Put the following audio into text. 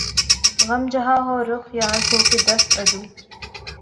غم جہاں ہو رخ یار ہو کہ دست عدو